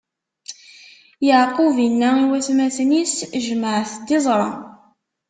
Yeɛqub inna i watmaten-is: Jemɛet-d iẓra.